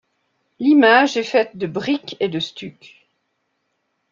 L’image est faite de brique et de stuc.